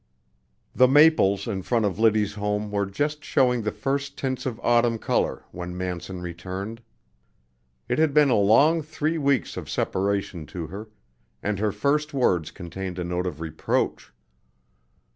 The maples in front of Liddy's home were just showing the first tints of autumn color when Manson returned. It had been a long three weeks of separation to her, and her first words contained a note of reproach.